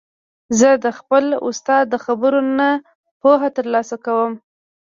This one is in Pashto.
زه د خپل استاد د خبرو نه پوهه تر لاسه کوم.